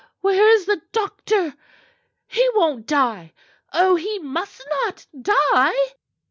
Where is the doctor? He won't die! Oh, he must not die!"